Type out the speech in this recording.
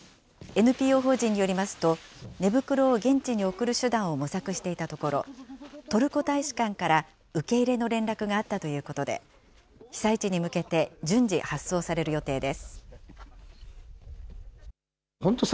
ＮＰＯ法人によりますと、寝袋を現地に送る手段を模索していたところ、トルコ大使館から受け入れの連絡があったということで、被災地に向けて順次、発送される予定です。